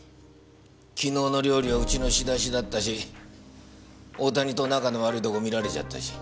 昨日の料理はうちの仕出しだったし大谷と仲の悪いとこ見られちゃったし。